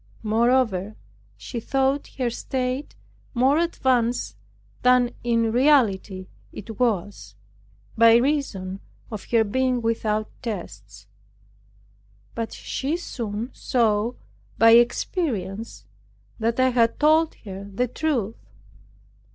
Moreover, she thought her state more advanced than in reality it was, by reason of her being without tests; but she soon saw by experience that I had told her the truth.